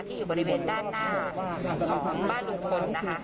ที่อยู่บริเวณด้านหน้าของสำบัดลูมฝนนะคะ